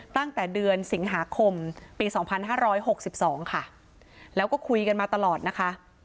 ตั้งแต่เดือนสิงหาคมปีสองพันห้าร้อยหกสิบสองค่ะแล้วก็คุยกันมาตลอดนะคะ